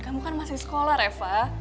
kamu kan masih sekolah reva